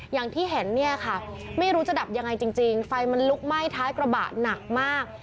อย่างที่เห็นเนี่ยค่ะไม่รู้จะดับยังไงจริงไฟมันลุกไหม้ท้ายกระบะหนักมาก